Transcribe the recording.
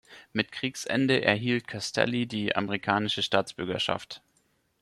Mit Kriegsende erhielt Castelli die amerikanische Staatsbürgerschaft.